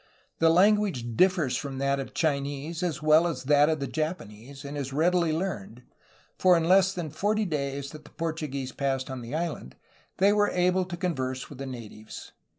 The language dif fers from that of the Chinese as well as that of the Japanese, and is readily learned, for, in less than forty days that the Portuguese passed on the island, they were able to converse with the natives.